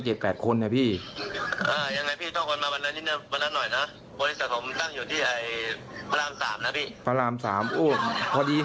แห่งบันดาลใจ